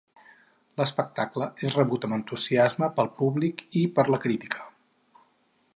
L’espectacle és rebut amb entusiasme pel públic i per la crítica.